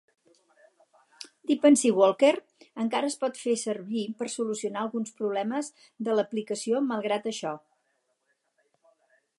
Depency Walker encara es pot fer servir per solucionar alguns problemes de l'aplicació malgrat això.